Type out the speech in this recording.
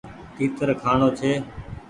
تيتر کآڻو ڇي ۔